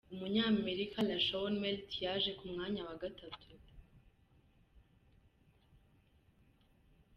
Umunyamerika LaShawn Merrit yaje ku mwanya wa gatatu.